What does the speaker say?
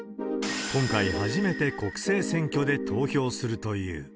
今回、初めて国政選挙で投票するという。